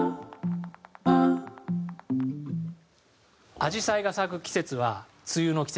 紫陽花が咲く季節は梅雨の季節。